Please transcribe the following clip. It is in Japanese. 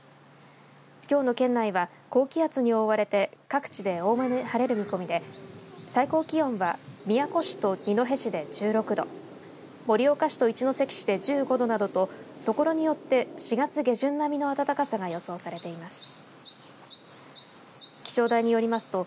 きょうの県内は高気圧に覆われて各地でおおむねに晴れる見込みで最高気温は宮古市と二戸市で１６度盛岡市と一関市で１５度などとところによって４月下旬並みの暖かさが予想されています。